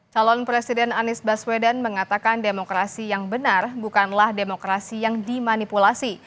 calon presiden anies baswedan mengatakan demokrasi yang benar bukanlah demokrasi yang dimanipulasi